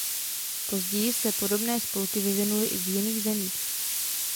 Později se podobné spolky vyvinuly i v jiných zemích.